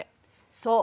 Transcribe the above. そう。